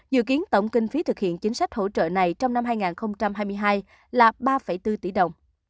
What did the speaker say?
dự kiến tổng kinh phí thực hiện chính sách hỗ trợ này trong năm hai nghìn hai mươi hai là ba bốn tỷ đồng